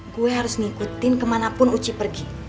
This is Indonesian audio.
gue harus ngikutin kemanapun uci pergi